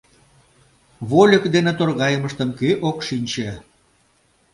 Вольык дене торгайымыштым кӧ ок шинче?